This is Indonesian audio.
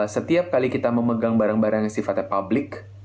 setiap kali kita memegang barang barang yang sifatnya publik